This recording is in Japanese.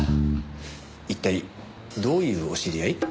一体どういうお知り合い？